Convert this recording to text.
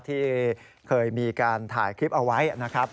ที่เคยมีการถ่ายคลิปเอาไว้นะครับ